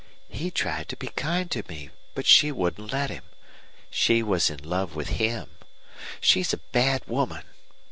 He tried to be kind to me. But she wouldn't let him. She was in love with him. She's a bad woman.